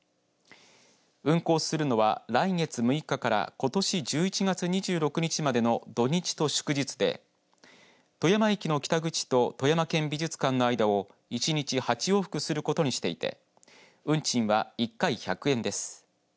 運行するのは来月６日からことし１１月２６日までの土日と祝日で富山駅の北口と富山県美術館の間を１日８往復することにしていて運賃は１回１００円です。